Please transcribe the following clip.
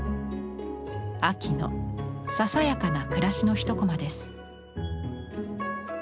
秋のささやかな暮らしの一コマです。